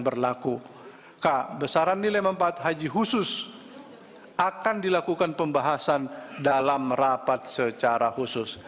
besaran nilai mempat haji khusus akan dilakukan pembahasan dalam rapat secara khusus